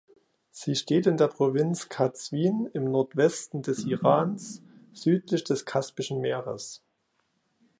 Sie steht in der Provinz Qazvin im Nordwesten des Irans, südlich des Kaspischen Meeres.